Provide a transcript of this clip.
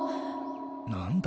何だ？